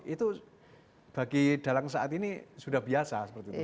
itu bagi dalang saat ini sudah biasa